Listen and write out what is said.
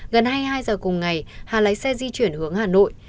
gần hai mươi hai giờ cùng ngày hà lái xe di chuyển hướng hà nội